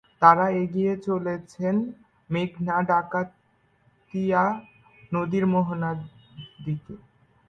তারা এগিয়ে চলেছেন মেঘনা-ডাকাতিয়া নদীর মোহনা দিকে।